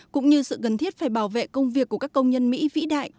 cũng như sự cần thiết phải bảo vệ công việc của các công nhân mỹ vĩ đại